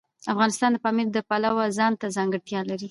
افغانستان د پامیر د پلوه ځانته ځانګړتیا لري.